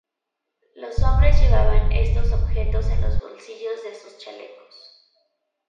Los hombres llevaban estos objetos en los bolsillos de sus chalecos.